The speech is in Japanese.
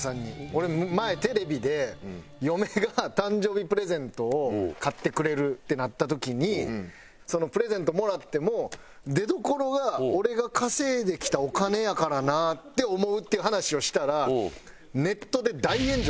俺前テレビで嫁が誕生日プレゼントを買ってくれるってなった時にそのプレゼントをもらっても「出どころが俺が稼いできたお金やからな」って思うっていう話をしたらネットで大炎上したんですよ。